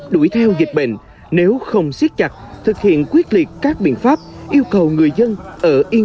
đuổi theo dịch bệnh nếu không siết chặt thực hiện quyết liệt các biện pháp yêu cầu người dân ở yên